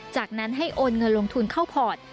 จากนั้นให้โอนเงินลงทุนเข้าพอร์ต